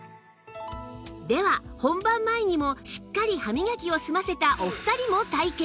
では本番前にもしっかり歯磨きを済ませたお二人も体験